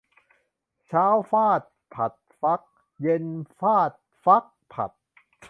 เช้าฟาดผัดฟัก เย็นฟาดฟักผัด